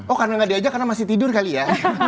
oh karena nggak diajak karena masih tidur kali ya